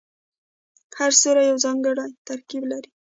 هر ستوری یو ځانګړی ترکیب لري.